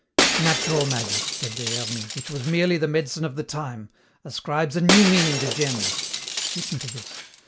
"Natural magic," said Des Hermies, "which was merely the medicine of the time, ascribes a new meaning to gems. Listen to this.